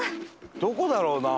どこだろうな？